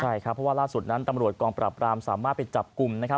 ใช่ครับเพราะว่าล่าสุดนั้นตำรวจกองปราบรามสามารถไปจับกลุ่มนะครับ